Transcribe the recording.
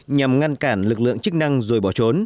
nhằm ngăn cản lực lượng chức năng rồi bỏ trốn